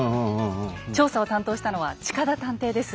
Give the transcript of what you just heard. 調査を担当したのは近田探偵です。